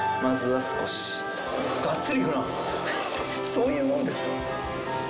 そういうもんですか？